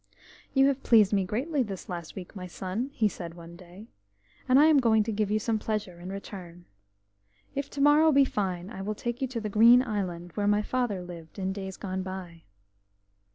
"You have pleased me greatly this last week, my son," he said one day, "and I am going to give you some pleasure in return. If to morrow be fine, I will take you to the Green Island, where my father lived in days gone by."